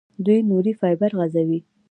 دوی نوري فایبر غځوي.